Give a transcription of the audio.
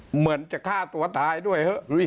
เหมือนจะฆ่าตัวตายด้วยเถอะ